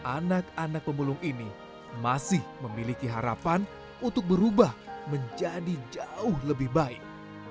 anak anak pemulung ini masih memiliki harapan untuk berubah menjadi jauh lebih baik